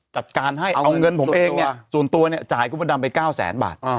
จัดการให้เอาเงินผมเองเนี่ยส่วนตัวเนี่ยจ่ายคุณพระดำไป๙แสนบาท